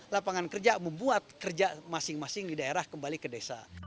lapangan kerja membuat kerja masing masing di daerah kembali ke desa